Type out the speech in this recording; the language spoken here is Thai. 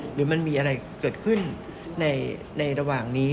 หรือมันมีอะไรเกิดขึ้นในระหว่างนี้